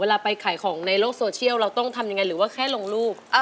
ไปขายของในโลกโซเชียลเราต้องทำยังไงหรือว่าแค่ลงรูป